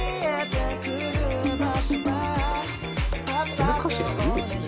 「この歌詞すごいですね」